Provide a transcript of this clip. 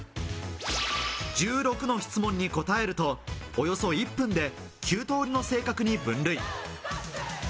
１６の質問に答えると、およそ１分で９通りの性格に分類。